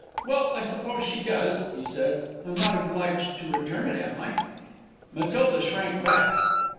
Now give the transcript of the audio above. "Well, suppose she does," he said, "I'm not obliged to return it, am I?" Matilda shrank back.